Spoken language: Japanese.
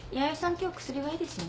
今日薬はいいですよね。